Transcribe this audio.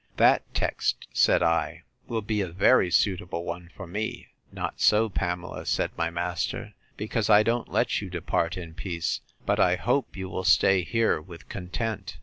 That text, said I, will be a very suitable one for me. Not so, Pamela, said my master; because I don't let you depart in peace; but I hope you will stay here with content.